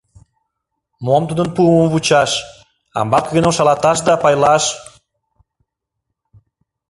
— Мом тудын пуымым вучаш, амбар кӧгӧным шалаташ да пайлаш!